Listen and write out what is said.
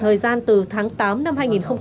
thời gian từ tháng tám năm hai nghìn một mươi bảy